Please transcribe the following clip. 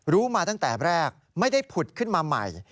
รู้มาตั้งแต่แรกไม่ได้ผุดขึ้นมาใหม่